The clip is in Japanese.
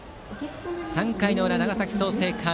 ３回の裏、長崎・創成館